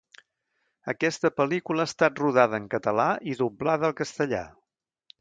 Aquesta pel·lícula ha estat rodada en català i doblada al castellà.